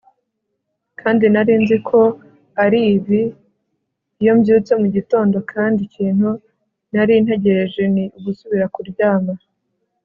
kandi nari nzi ko ari bibi iyo mbyutse mu gitondo kandi ikintu nari ntegereje ni ugusubira kuryama